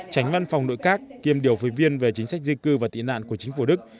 tránh văn phòng nội các kiêm điều phối viên về chính sách di cư và tị nạn của chính phủ đức